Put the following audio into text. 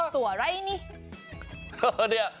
ตัวอะไรนี่